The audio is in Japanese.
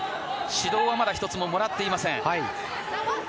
指導はまだ１つももらっていません。